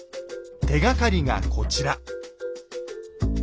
手がかりがこちら。